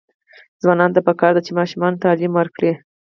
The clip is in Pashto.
ځوانانو ته پکار ده چې، ماشومانو تعلیم ورکړي.